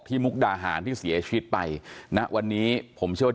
ที่มุกดาหารที่เสียชีวิตไป